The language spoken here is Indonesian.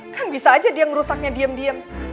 kan bisa aja dia ngerusaknya diem diem